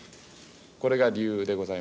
これが理由でございます。